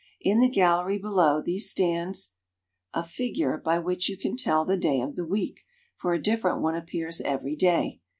In the gallery below these stands a figure by which you can tell the day of the week, for a different one appears every day.